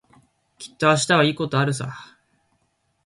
きっと明日はいいことあるさ。